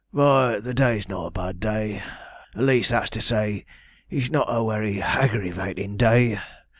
'Vy, the day's not a bad day; at least that's to say, it's not a wery haggrivatin' day.